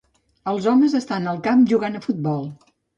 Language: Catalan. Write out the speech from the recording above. Els homes estan al camp jugant a futbol.